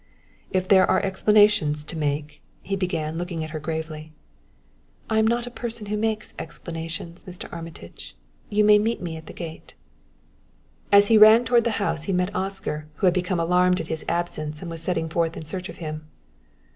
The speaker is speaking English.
"If there are explanations to make," he began, looking at her gravely. "I am not a person who makes explanations, Mr. Armitage. You may meet me at the gate." As he ran toward the house he met Oscar, who had become alarmed at his absence and was setting forth in search of him.